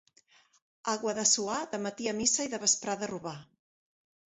A Guadassuar, de matí a missa i de vesprada a robar.